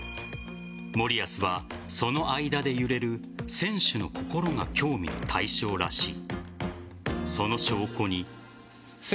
森保はその間で揺れる選手の心が興味の対象らしい。